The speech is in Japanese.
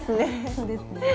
そうですね。